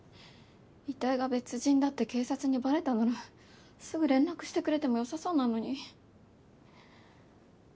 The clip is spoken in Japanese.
遺体が別人だって警察にバレたならすぐ連絡してくれてもよさそうなのに。